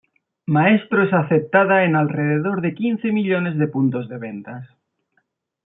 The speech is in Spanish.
Maestro es aceptada en alrededor de quince millones de puntos de ventas.